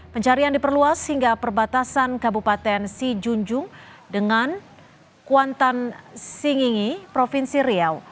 pencarian diperluas hingga perbatasan kabupaten sijunjung dengan kuantan singingi provinsi riau